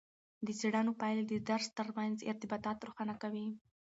د څیړنو پایلې د درس ترمنځ ارتباطات روښانه کوي.